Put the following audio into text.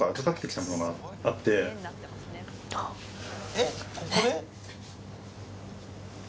えっここで？